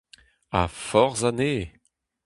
Ha forzh anezhe !